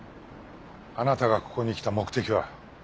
あなたがここに来た目的は？